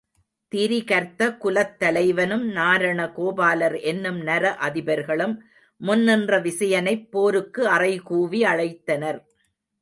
திரிகர்த்த குலத்தலைவனும், நாரண கோபாலர் என்னும் நர அதிபர்களும் முன் நின்ற விசயனைப் போருக்கு அறை கூவி அழைத்தனர்.